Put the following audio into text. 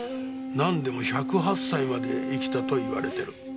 なんでも１０８歳まで生きたといわれてる。